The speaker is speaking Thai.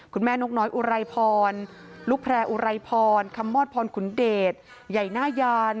นกน้อยอุไรพรลูกแพร่อุไรพรคำมอดพรขุนเดชใหญ่หน้ายาน